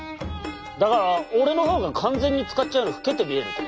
だから俺の方が完全に塚っちゃんより老けて見えるってことでしょ？